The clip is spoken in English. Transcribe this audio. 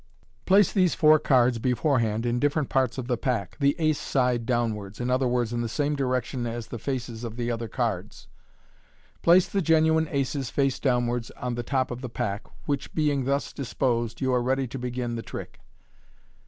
Place these four cards beforehand in different parts of the pack, the "ace " side downwards, i.e., in the same direction as the faces of the other cards. Place the genuine aces face downwards on the top of the pack, which being thus disposed, you are ready to begin the trick.